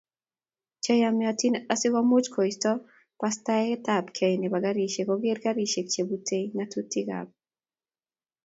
Che yomotin asi komuch koisto basetabgei nebo garisyek, koger garisyek chebutei ng'atutiikab